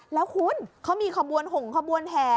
แล้วคุณเขามีขบวนหงขบวนแห่